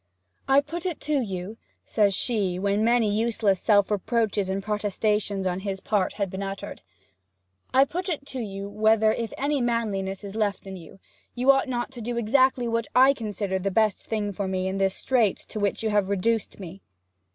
'I put it to you,' says she, when many useless self reproaches and protestations on his part had been uttered 'I put it to you whether, if any manliness is left in you, you ought not to do exactly what I consider the best thing for me in this strait to which you have reduced me?'